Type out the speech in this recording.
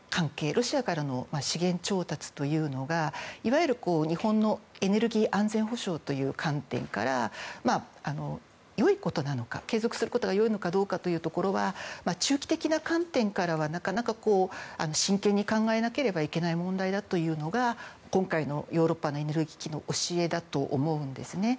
ロシアからの資源調達というのが日本のエネルギー安全保障という観点から継続するのが良いことかどうかというのは中期的な観点からはなかなか真剣に考えなければいけない問題だというのが今回のヨーロッパのエネルギー危機の教えだと思うんですね。